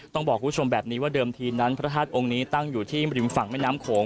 ต้องบอกคุณผู้ชมแบบนี้ว่าเดิมทีนั้นพระธาตุองค์นี้ตั้งอยู่ที่ริมฝั่งแม่น้ำโขง